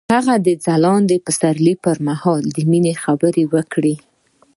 هغه د ځلانده پسرلی پر مهال د مینې خبرې وکړې.